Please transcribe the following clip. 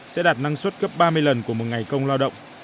sẽ đạt năng suất cấp ba mươi lần của một ngày công lao động